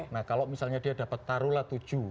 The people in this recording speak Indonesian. nah kalau misalnya dia dapat taruhlah tujuh